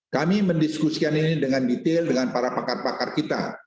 kami mendiskusikan ini dengan detail dengan para pakar pakar kita